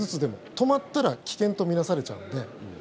止まったら棄権と見なされちゃうので。